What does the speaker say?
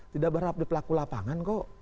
tidak berharap di pelaku lapangan kok